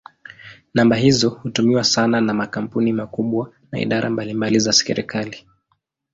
Namba hizo hutumiwa sana na makampuni makubwa na idara mbalimbali za serikali.